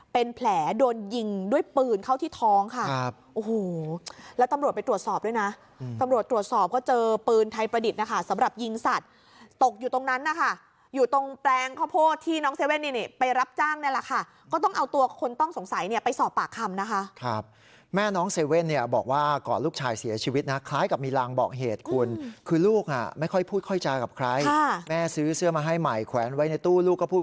ปิงปองเจ็บสาหัสตกอยู่ตรงนั้นนะคะอยู่ตรงแปลงข้าวโพดที่น้องเซเว่นไปรับจ้างนั่นแหละค่ะก็ต้องเอาตัวคนต้องสงสัยเนี่ยไปสอบปากคำนะคะครับแม่น้องเซเว่นเนี่ยบอกว่าก่อนลูกชายเสียชีวิตนะคล้ายกับมีรังบอกเหตุคุณคือลูกอ่ะไม่ค่อยพูดค่อยจากับใครแม่ซื้อเสื้อมาให้ใหม่แขวนไว้ในตู้ลูกก็พ